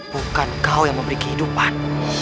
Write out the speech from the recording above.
bukan kau yang memberi kehidupan